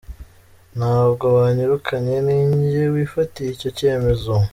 Ntabwo banyirukanye ninjye wifatiye icyo cyemezo.